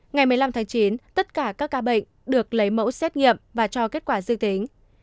ngày một mươi năm tháng chín tất cả các ca bệnh được lấy mẫu xét nghiệm và cho kết quả dư tính